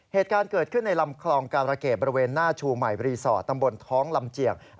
เหตุการณ์เกิดขึ้นในลำคลองการะเกดบริเวณหน้าชูใหม่รีสอร์ทตำบลท้องลำเจียก